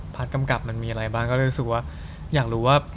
พาร์ทกำกับมันมีอะไรบ้าง